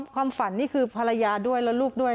ความฝันนี่คือภรรยาด้วยและลูกด้วย